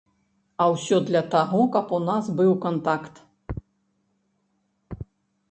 А ўсё для таго, каб у нас быў кантакт.